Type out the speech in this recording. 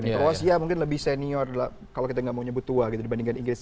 kroasia mungkin lebih senior kalau kita nggak mau nyebut tua gitu dibandingkan inggris